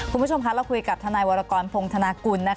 คุณผู้ชมเราคุยกับธวรพธนาคุณ